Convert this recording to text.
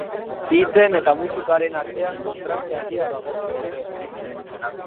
Hitzen eta musikaren artean kontraste handia dago, ordea.